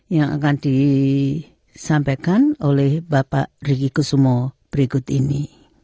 yang akan disampaikan oleh bapak riki kusumo berikut ini